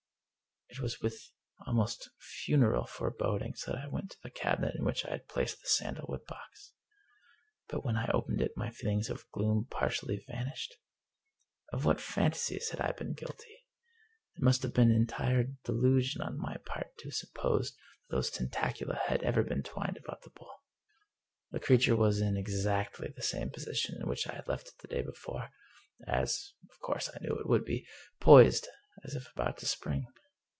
It was with almost funereal forebodings that I went to the cabinet in which I had placed the sandalwood box. But when I opened it my feelings of gloom partially vanished. Of what phantasies had I been guilty! It must have been an entire delusion on my part to have supposed that those 230 The Pipe tentacula had ever been twined about the bowl. The crea ture was in exactly the same position in which I had left it the day before — ^as, of course, I knew it would be — poised, as if about to spring.